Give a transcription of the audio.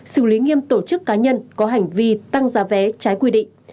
xử lý nghiêm tổ chức cá nhân có hành vi tăng giá vé trái quy định